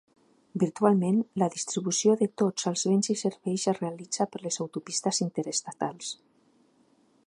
Virtualment, la distribució de tots els béns i serveis es realitza per les autopistes interestatals.